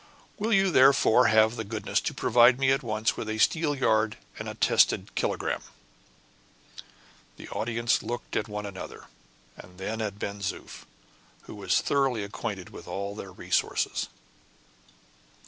Will you, therefore, have the goodness to provide me at once with a steelyard and a tested kilogramme?" The audience looked at one another, and then at Ben Zoof, who was thoroughly acquainted with all their resources.